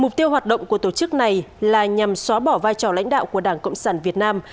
mục tiêu hoạt động của tổ chức này là nhằm xóa bỏ vai trò lãnh đạo của đảng cộng sản việt nam